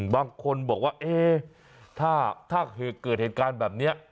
บางคนบอกว่าเอ๊ะถ้าเกิดเหตุการณ์แบบนี้